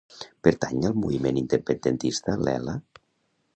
Pertany al moviment independentista l'Ela?